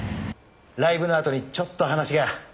ライブのあとにちょっと話が。